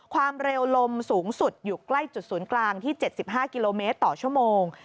ความเร็วลมสูงสุดอยู่ใกล้จุดศูนย์กลางที่๗๕กิโลเมตรต่อชั่วโมง